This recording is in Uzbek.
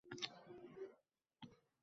Qaytgach, Keliningiz ovqat berdimi